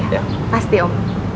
iya pasti om